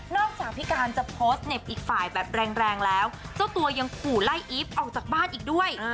จากพี่การจะโพสต์เน็บอีกฝ่ายแบบแรงแล้วเจ้าตัวยังขู่ไล่อีฟออกจากบ้านอีกด้วย